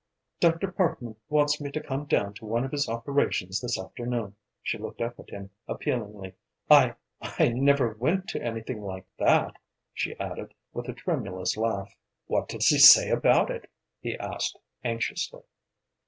"Dr. Parkman wants me to come down to one of his operations this afternoon," she looked up at him appealingly. "I I never went to anything like that," she added, with a tremulous laugh. "What does he say about it?" he asked, anxiously.